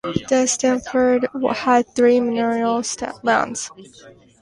De Stafford had three manorial lands.